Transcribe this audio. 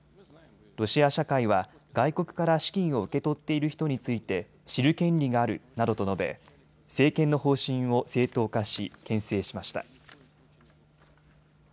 ロシア社会は外国から資金を受け取っている人について知る権利があるなどと述べ政権の方針を正当化しけん制しました。